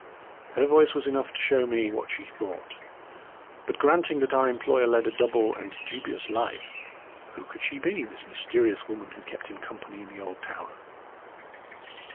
Her voice was enough to show me what she thought. But granting that our employer led a double and dubious life, who could she be, this mysterious woman who kept him company in the old tower?